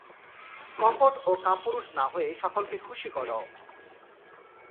কপট ও কাপুরুষ না হয়ে সকলকে খুশী কর।